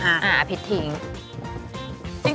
อ่าผิดทิ้ง